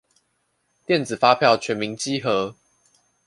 電子發票全民稽核